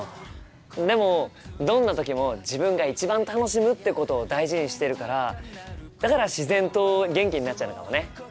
でもどんな時も自分が一番楽しむってことを大事にしてるからだから自然と元気になっちゃうのかもね。